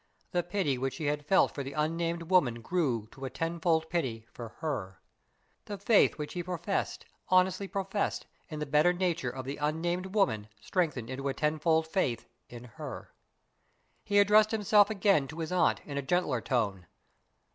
The pity which he had felt for the unnamed woman grew to a tenfold pity for her. The faith which he professed honestly professed in the better nature of the unnamed woman strengthened into a tenfold faith in her. He addressed himself again to his aunt, in a gentler tone.